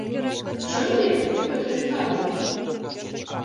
Чын вет, Петр Михайлович?